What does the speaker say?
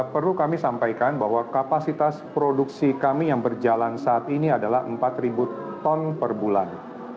perlu kami sampaikan bahwa kapasitas produksi kami yang berjalan saat ini adalah empat ton per bulan